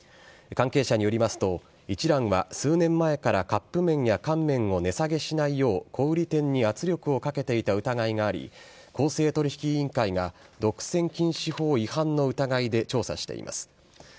関係者によりますと、一蘭は数年前から、カップ麺や乾麺を値下げしないよう、小売り店に圧力をかけていた疑いがあり、公正取引委員会が独占禁止法違反の疑いで調査しています。